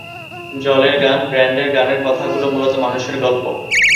জলের গান ব্যান্ডের গানের কথাগুলো মূলত মানুষের গল্প।